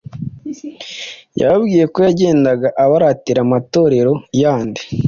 Yababwiye ko yagendaga abaratira amatorero yandi